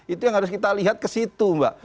itu yang harus kita lihat kesitu mbak